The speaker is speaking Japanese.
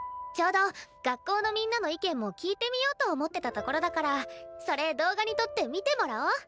ちょうど学校のみんなの意見も聞いてみようと思ってたところだからそれ動画に撮って見てもらおう。